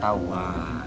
oh tak ketahuan